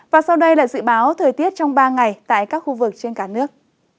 và sau đây là dự báo thời tiết trong ba ngày tại các khu vực trên cả nước